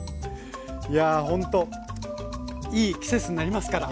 いやあほんといい季節になりますから。